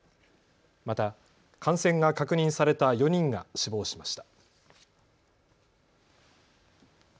また感染が確認された４人が死亡しました。